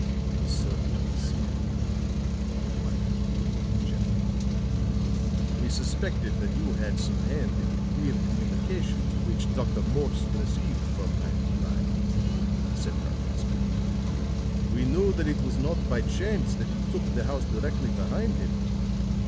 "So it would seem," replied Okiu, gently. "We suspected that you had some hand in the queer communications which Dr. Morse received from time to time," said Karkowsky. "We knew that it was not by chance that you took the house directly behind him.